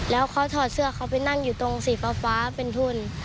แล้วเขาถอดเสื้อเขาไปนั่งอยู่ตรงสีฟ้าเป็นทุน